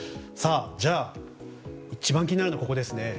じゃあ、一番気になるのはここですよね。